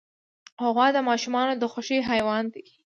غوا د ماشومانو د خوښې حیوان دی.